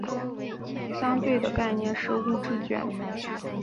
与之相对的概念是物知觉。